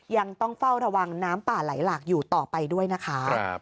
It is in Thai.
ยังต้องเฝ้าระวังน้ำป่าไหลหลากอยู่ต่อไปด้วยนะคะ